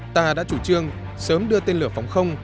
ta đã chủ trương sớm đưa tên lửa phòng không